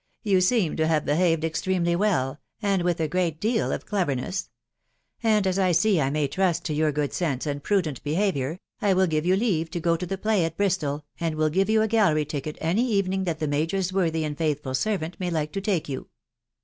..." You seem to have behaved extremely well, and with a great deal of cleverness ; and as I see I may trust to your good sense and prudent behaviour, I will give you leave to go to the play at Bristol, and will give you a gallery ticket any evening that tho major's worthy and faithful servant may like to take you.